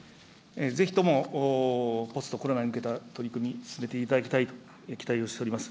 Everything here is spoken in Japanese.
ぜひとも、ポストコロナに向けた取り組み、進めていただきたいと期待をしております。